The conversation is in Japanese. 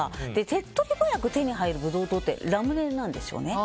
手っ取り早く手に入るブドウ糖ってラムネなんですよね。